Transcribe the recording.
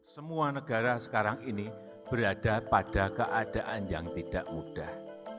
semua negara sekarang ini berada pada keadaan yang tidak mudah